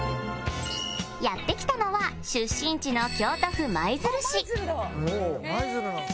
やって来たのは出身地の「あっ舞鶴だ」